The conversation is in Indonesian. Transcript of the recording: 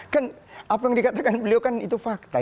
kan apa yang dikatakan beliau kan itu fakta